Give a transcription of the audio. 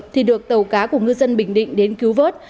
thì được tàu cá của ngư dân bình định đến cứu vớt